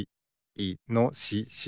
いのしし。